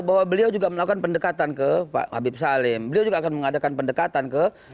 bahwa beliau juga melakukan pendekatan ke pak habib salim beliau juga akan mengadakan pendekatan ke